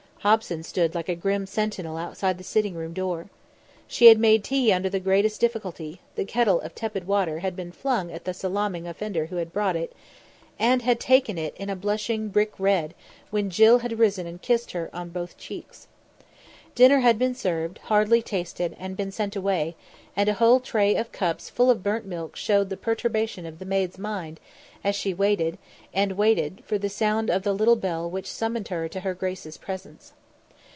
Hobson stood like a grim sentinel outside the sitting room door. She had made tea under the greatest difficulty the kettle of tepid water had been flung at the salaaming offender who had brought it and had taken it in blushing brick red when Jill had risen and kissed her on both cheeks. Dinner had been served, hardly tasted, and been sent away, and a whole tray of cups full of burnt milk showed the perturbation of the maid's mind as she waited, and waited for the sound of the little bell which summoned her to her grace's presence.